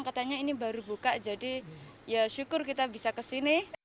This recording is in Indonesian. katanya ini baru buka jadi ya syukur kita bisa ke sini